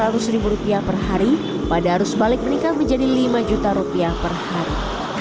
lima ratus rupiah perhari pada arus balik meningkat menjadi lima juta rupiah perhari